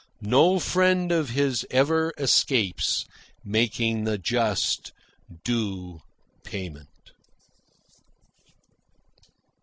No friend of his ever escapes making the just, due payment.